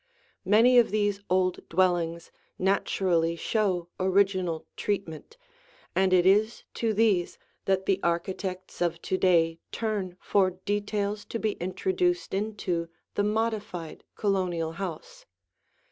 Many of these old dwellings naturally show original treatment, and it is to these that the architects of to day turn for details to be introduced into the modified Colonial house.